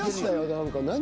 何か何？